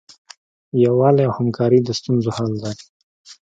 یووالی او همکاري د ستونزو حل دی.